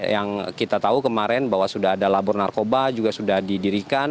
yang kita tahu kemarin bahwa sudah ada labor narkoba juga sudah didirikan